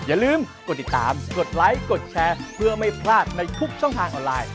อย่าลืมกดติดตามกดไลค์กดแชร์เพื่อไม่พลาดในทุกช่องทางออนไลน์